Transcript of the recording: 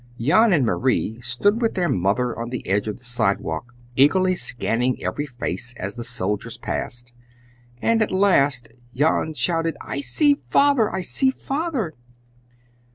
Jan and Marie stood with their mother on the edge of the sidewalk, eagerly scanning every face as the soldiers passed, and at last Jan shouted, "I see Father! I see Father!"